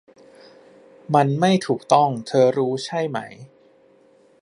มันไม่ถูกต้องเธอรู้ใช่ไหม